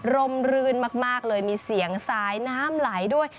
มรื่นมากเลยมีเสียงสายน้ำไหลด้วย